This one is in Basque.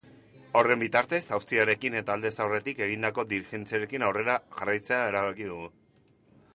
Horren bitartez, auziarekin eta aldez aurretik egindako diligentziekin aurrera jarraitzea erabaki du.